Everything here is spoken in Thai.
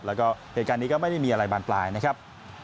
แล้วก็เหตุการณ์นี้ก็ไม่ได้มีอะไรบานปลายนะครับ